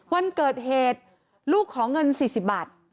วันเกิดเหตุลูกขอเงิน๔๐บาท